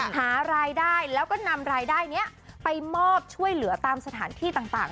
หารายได้แล้วก็นำรายได้นี้ไปมอบช่วยเหลือตามสถานที่ต่าง